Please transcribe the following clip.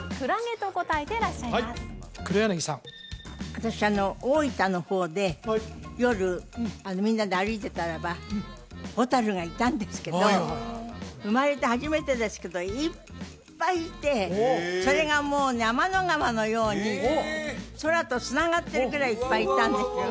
私あの大分の方で夜みんなで歩いてたらばホタルがいたんですけど生まれて初めてですけどいっぱいいてそれがもうね天の川のように空とつながってるぐらいいっぱいいたんですよ